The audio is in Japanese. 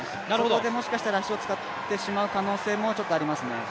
そこでもしかしたら足を使ってしまう可能性もありますね。